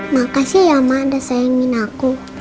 makasih ya ma ada sayangin aku